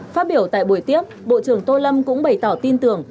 phát biểu tại buổi tiếp bộ trưởng tô lâm cũng bày tỏ tin tưởng